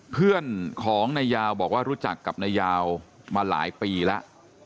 เพื่อนของนายยาวบอกว่ารู้จักกับนายยาวมาหลายปีแล้ว